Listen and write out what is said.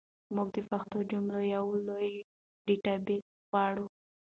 موږ د پښتو جملو یو لوی ډیټابیس غواړو.